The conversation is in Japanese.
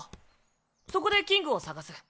そこでキングを捜す。